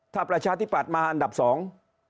ถ้าประชาธิปัตย์มาอันดับสอง